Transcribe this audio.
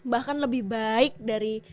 bahkan lebih baik dari